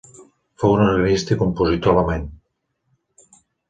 Fou un organista i compositor alemany.